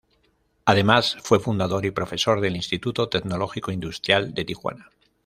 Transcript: Además, fue fundador y profesor del Instituto Tecnológico Industrial de Tijuana.